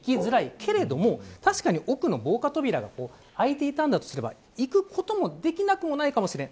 けれども確かに多くの防火扉があいていたなどとすれば行くこともできなくもないかもしれない。